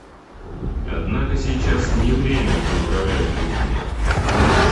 Однако сейчас не время поздравлять друг друга.